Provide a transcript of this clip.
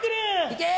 行け！